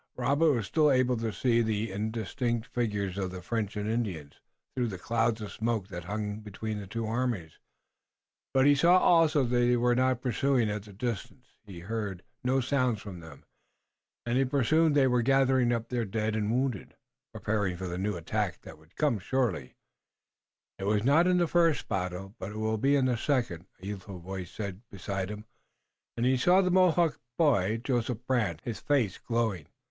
Robert was still able to see the indistinct figures of the French and Indians, through the clouds of smoke that hung between the two armies, but he saw also that they were not pursuing. At the distance he heard no sounds from them, and he presumed they were gathering up their dead and wounded, preparing for the new attack that would surely come. "I was not in the first battle, but I will be in the second," a youthful voice said beside him, and he saw the Mohawk boy, Joseph Brant, his face glowing.